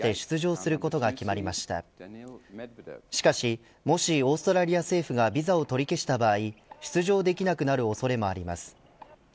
しかしもしオーストラリア政府がビザを取り消した場合出場できなくなる恐れもあります。